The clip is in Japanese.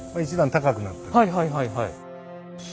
はいはいはいはい。